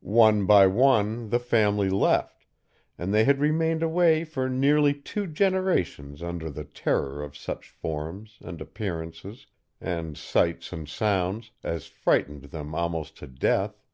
"One by one, the family left; and they had remained away for nearly two generations under the terror of such forms, and appearances, and sights and sounds, as frightened them almost to death.